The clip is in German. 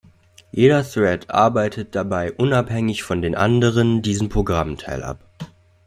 Jeder Thread arbeitet dabei unabhängig von den anderen diesen Programmteil ab.